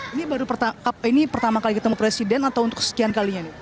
ini baru pertama kali ketemu presiden atau untuk kesekian kalinya nih